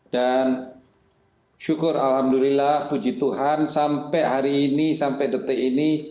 dan syukur alhamdulillah puji tuhan sampai hari ini sampai detik ini